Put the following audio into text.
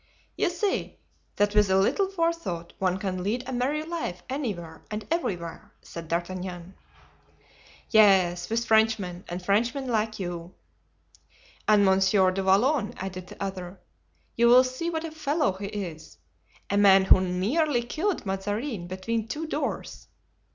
"You see, that with a little forethought one can lead a merry life anywhere and everywhere," said D'Artagnan. "Yes, with Frenchmen, and Frenchmen like you." "And Monsieur du Vallon," added the other. "You will see what a fellow he is; a man who nearly killed Mazarin between two doors.